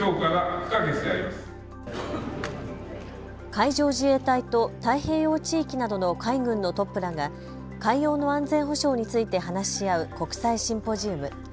海上自衛隊と太平洋地域などの海軍のトップらが海洋の安全保障について話し合う国際シンポジウム。